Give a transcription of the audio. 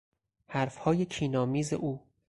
حرفهای کینآمیز او